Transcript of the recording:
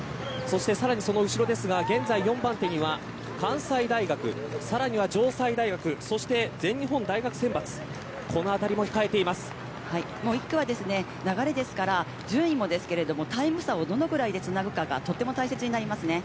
さらにその後ろですが現在４番手には関西大学さらに城西大学そして、全日本大学選抜１区は流れですから順位もですがタイム差をどのぐらいでつなぐかがとても大切です。